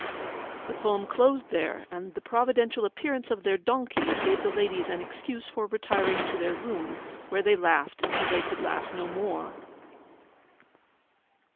The poem closed there, and the providential appearance of their donkeys gave the ladies an excuse for retiring to their room, where they laughed till they could laugh no more.